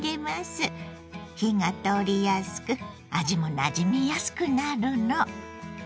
火が通りやすく味もなじみやすくなるの。